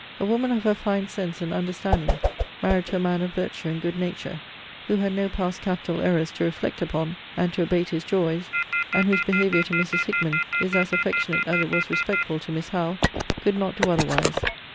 A woman of her fine sense and understanding, married to a man of virtue and good nature, (who had no past capital errors to reflect upon, and to abate his joys, and whose behaviour to Mrs. Hickman is as affectionate as it was respectful to Miss Howe,) could not do otherwise.